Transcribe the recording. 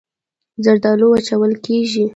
زردالو وچول کېږي.